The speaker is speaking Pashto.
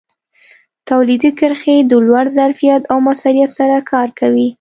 تولیدي کرښې د لوړ ظرفیت او موثریت سره کار کوي.